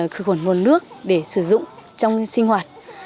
khử khuẩn nguồn nước để sử dụng trong sinh hoạt